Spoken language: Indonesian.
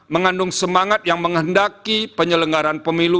mengandung semangat yang menghendaki penyelenggaran pemilu